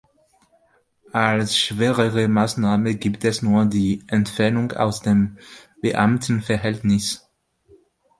Als schwerere Maßnahme gibt es nur die "Entfernung aus dem Beamtenverhältnis".